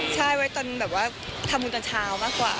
ใช่ไว้ตอนแบบว่าทำบุญตอนเช้ามากกว่า